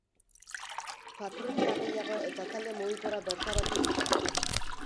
Patruila gehiago eta talde mugikorra bertaratu dira.